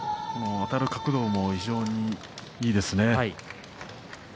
あたる角度も非常にいいですね。